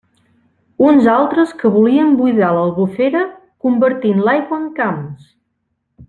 Uns altres que volien buidar l'Albufera convertint l'aigua en camps!